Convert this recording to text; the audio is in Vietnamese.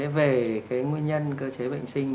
về nguyên nhân cơ chế bệnh sinh